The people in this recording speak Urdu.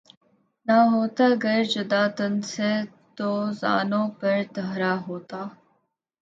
نہ ہوتا گر جدا تن سے تو زانو پر دھرا ہوتا